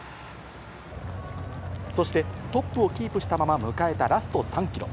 そして、トップをキープしたまま迎えたラスト３キロ。